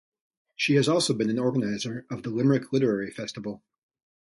She has also been an organiser of the Limerick Literary Festival.